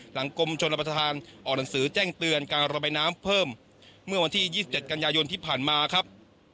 กรมชนรับประทานออกหนังสือแจ้งเตือนการระบายน้ำเพิ่มเมื่อวันที่๒๗กันยายนที่ผ่านมาครับ